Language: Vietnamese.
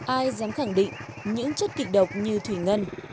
ai dám khẳng định những chất kịch độc như thủy ngân